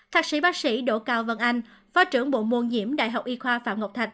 thạc sĩ bác sĩ đỗ cao vân anh phó trưởng bộ môn diệm đại học y khoa phạm ngọc thạch